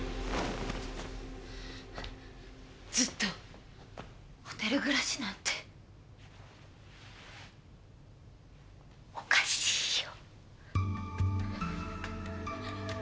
ずっとホテル暮らしなんておかしいよ。